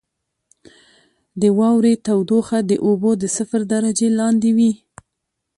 • د واورې تودوخه د اوبو د صفر درجې لاندې وي.